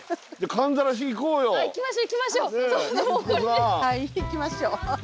はい行きましょ。